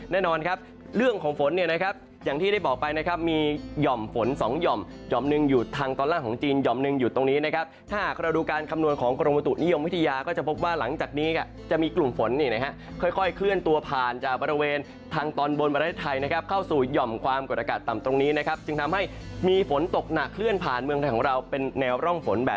แน่นอนครับเรื่องของฝนเนี่ยนะครับอย่างที่ได้บอกไปนะครับมีหย่อมฝนสองหย่อมหย่อมหนึ่งอยู่ทางตอนล่างของจีนหย่อมหนึ่งอยู่ตรงนี้นะครับถ้าเราดูการคำนวณของกรมตุนิยมวิทยาก็จะพบว่าหลังจากนี้จะมีกลุ่มฝนนี่นะครับค่อยเคลื่อนตัวผ่านจากบริเวณทางตอนบนบริเวณไทยนะครับเข้าสู่หย่อมความกฎอากาศ